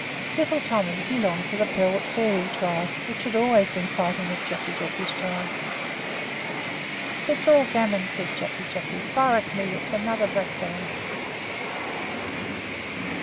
Little Tommy belonged to the Port Fairy tribe, which had always been fighting with Jacky Jacky's tribe." "It's all gammon," said Jacky Jacky, "borack me, its another blackfellow."